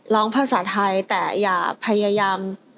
ภาษาไทยแต่อย่าพยายาม